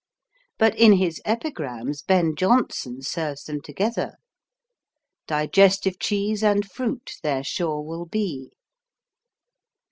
But in his Epigrams Ben Jonson serves them together. Digestive cheese, and fruit there sure will be.